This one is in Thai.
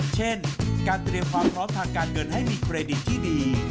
เช่นการเตรียมความพร้อมทางการเงินให้มีเครดิตที่ดี